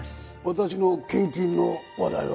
私の献金の話題は？